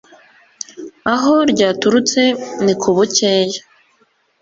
Aho ryaturutse ni ku bukeya